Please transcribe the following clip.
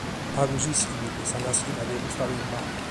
Pagu s’ischit de sa nàschida de custa limba.